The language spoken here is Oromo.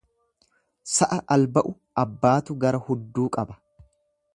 Sa'a alba'u abbaatu gara hudduu qaba.